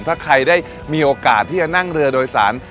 ถ้าใครได้มีโอกาสที่จะนั่งเรือโดยสาร